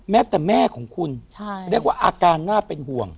แต่แม่ของคุณเรียกว่าอาการน่าเป็นห่วง